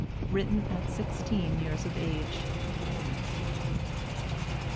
[Written at sixteen years of age.